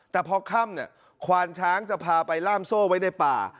แต่พอค่ำควานช้างจะพาไปล่ามโซ่ไว้ในป่า